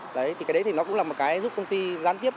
đấy thì cái đấy thì nó cũng là một cái giúp công ty gián tiếp